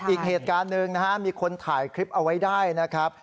อีกเหตุการณ์หนึ่งนะฮะมีคนถ่ายคลิปเอาไว้ได้นะครับ